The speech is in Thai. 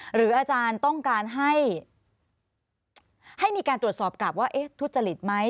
หรืออาจารย์ต้องการให้มีการตรวจสอบกลับว่าทุจริตไหม